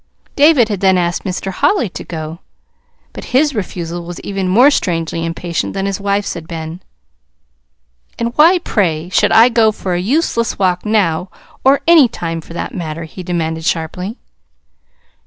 David had then asked Mr. Holly to go; but his refusal was even more strangely impatient than his wife's had been. "And why, pray, should I go for a useless walk now or any time, for that matter?" he demanded sharply.